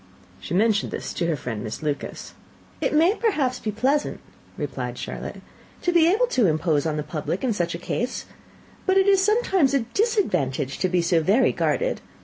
She mentioned this to her friend, Miss Lucas. "It may, perhaps, be pleasant," replied Charlotte, "to be able to impose on the public in such a case; but it is sometimes a disadvantage to be so very guarded.